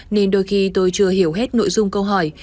nên đôi khi tôi chưa hiểu hết nội dung câu hỏi